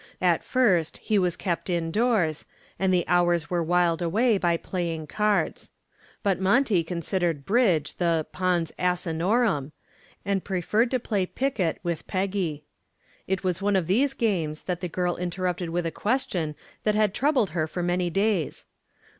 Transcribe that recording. At first he was kept in doors, and the hours were whiled away by playing cards. But Monty considered "bridge" the "pons asinorum," and preferred to play piquet with Peggy. It was one of these games that the girl interrupted with a question that had troubled her for many days.